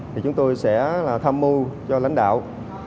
thì chúng tôi sẽ tham mưu cho lãnh đạo